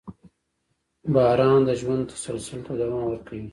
• باران د ژوند تسلسل ته دوام ورکوي.